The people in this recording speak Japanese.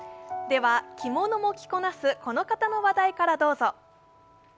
では着物も着こなすこの方の話題からどうぞ。